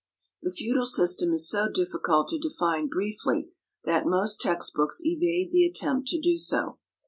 The feudal system is so difficult to define briefly that most text books evade the attempt to do so.